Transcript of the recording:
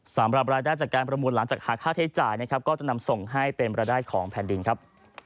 สำหรับรายได้จากการประมูลหลังจากหาค่าใช้จ่ายนะครับก็จะนำส่งให้เป็นรายได้ของแผ่นดินครับ